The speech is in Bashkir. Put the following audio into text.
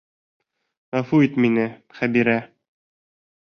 Ғәфү ит мине, Хәбирә.